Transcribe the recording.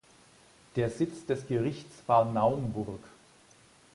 Der Sitz des Gerichts war Naumburg.